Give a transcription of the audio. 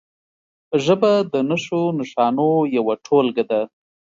ژبه د نښو نښانو یوه ټولګه ده.